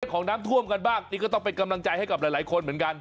ของน้ำท่วมกันบ้างนี่ก็ต้องเป็นกำลังใจให้กับหลายคนเหมือนกัน